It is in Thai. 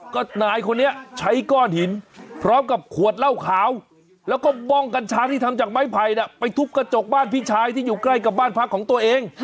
ก็นายคนนี้ใช้ก้อนหินพร้อมกับขวดเหล้าขาว